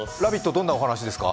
どんなお話ですか？